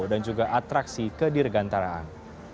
dan juga atraksi ke dirgantaraan